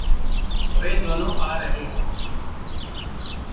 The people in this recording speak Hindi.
वे दोनों आ रहे हैं।